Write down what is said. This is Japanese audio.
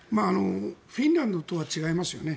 フィンランドとは違いますよね。